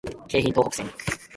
京浜東北線